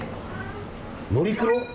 のりクロ？